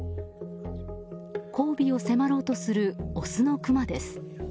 交尾を迫ろうとするオスのクマです。